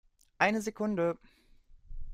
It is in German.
Eine Sekunde!